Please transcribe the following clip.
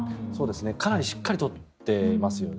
かなりしっかり取っていますよね。